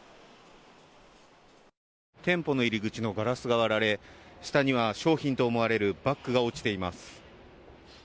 店舗の入り口のガラスが割られ下には商品と思われるバッグが落ちています。